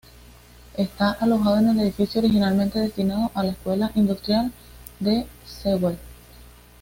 Está alojado en el edificio originalmente destinado a la Escuela Industrial de Sewell.